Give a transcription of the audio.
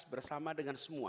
bersama dengan semua